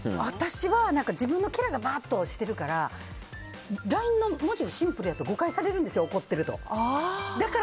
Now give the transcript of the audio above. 自分はキャラがぶわっとしているからＬＩＮＥの文字がシンプルだと誤解されるんです怒ってるとか。